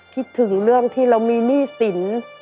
คิดถึงเรื่องที่เรามีหนี้สิน